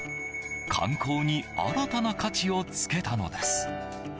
観光に新たな価値を付けたのです。